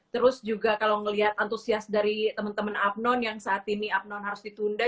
terus juga kalau melihat antusias dari teman teman abnon yang saat ini apnon harus ditunda